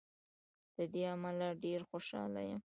له دې امله ډېر خوشاله یم.